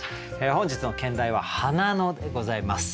本日の兼題は「花野」でございます。